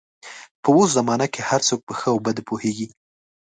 په اوس زمانه کې هر څوک په ښه او بده پوهېږي